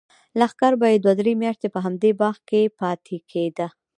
لښکر به یې دوه درې میاشتې په همدې باغ کې پاتې کېده.